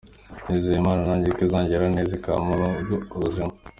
nizeye Imana nanjye ko izangirira neza ikampa urugo ruzima.